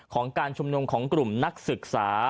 ของการชุมนุมของกลุ่มนักศึกษา